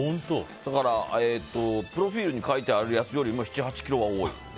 だから、プロフィールに書いてあるやつより７８ｋｇは多い。